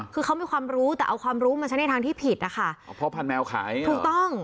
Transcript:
คือเขามีความรู้แต่เอาความรู้มาใช้ในทางที่ผิดนะคะอ๋อพ่อพันธแมวขายถูกต้อง